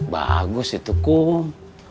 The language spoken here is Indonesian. bagus itu kum